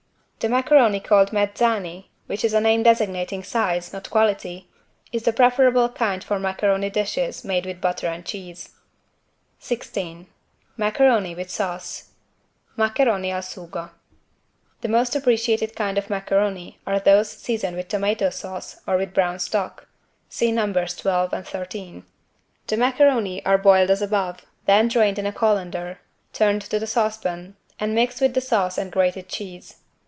The macaroni called "Mezzani" which is a name designating size, not quality, is the preferable kind for macaroni dishes made with butter and cheese. 16 MACARONI WITH SAUCE (Maccheroni al sugo) The most appreciated kind of macaroni are those seasoned with tomato sauce or with brown stock (see nos. 12 and 13). The macaroni are boiled as above, then drained in a colander, returned to the saucepan and mixed with the sauce and grated cheese.